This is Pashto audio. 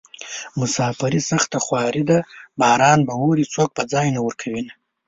مساپري سخته خواري ده باران به اوري څوک به ځای نه ورکوينه